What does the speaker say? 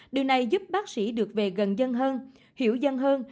điều này giúp bác sĩ được về gần dân hơn hiểu dân hơn